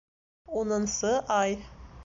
Унынсы ай.